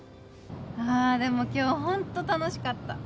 あでも今日ホント楽しかった。